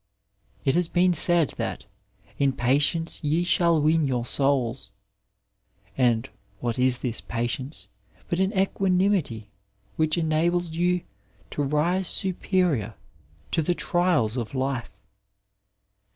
It has been said that ^* in patience ye shall win yonr souls,'* and what is this patience but an equanimity which enables you to rise superior to the trials of life